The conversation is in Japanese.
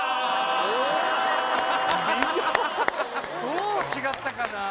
どう違ったかな？